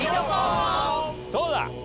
どうだ？